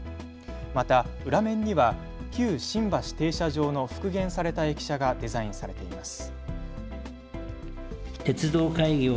また、裏面には旧新橋停車場の復元された駅舎がデザインされています。